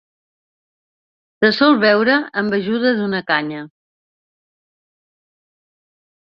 Se sol beure amb ajuda d'una canya.